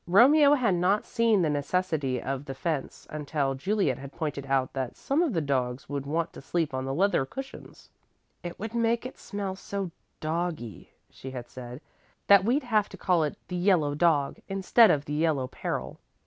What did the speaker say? Romeo had not seen the necessity of the fence until Juliet had pointed out that some of the dogs would want to sleep on the leather cushions. "It would make it smell so doggy," she had said, "that we'd have to call it 'The Yellow Dog' instead of 'The Yellow Peril.'"